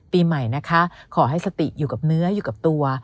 ปีใหม่นะคะขอให้สติอยู่กับเนื้ออยู่กับตัว